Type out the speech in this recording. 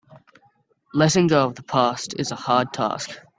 Letting go of the past is a hard task.